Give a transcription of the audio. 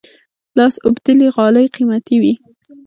لاس اوبدلي غالۍ قیمتي وي.